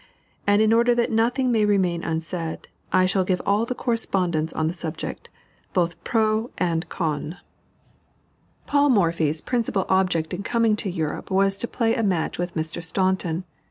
And, in order that nothing may remain unsaid, I shall give all the correspondence on the subject, both pro and con. Paul Morphy's principal object in coming to Europe was to play a match with Mr. Staunton.